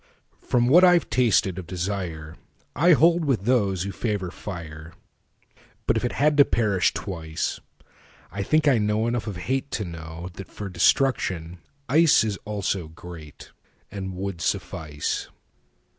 From what I've tasted of desireI hold with those who favor fire. But if it had to perish twice,I think I know enough of hateTo know that for destruction iceIs also greatAnd would suffice.